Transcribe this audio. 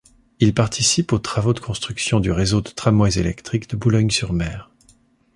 Il participe aux travaux de construction du réseau de tramways électriques de Boulogne-sur- Mer.